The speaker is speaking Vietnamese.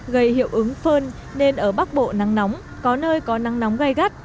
gây hiệu ứng phơn nên ở bắc bộ nắng nóng có nơi có nắng nóng gai gắt